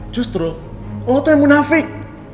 justru lo tuh yang munafik